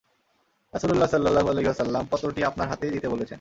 রাসূলুল্লাহ সাল্লাল্লাহু আলাইহি ওয়াসাল্লাম পত্রটি আপনার হাতেই দিতে বলেছেন।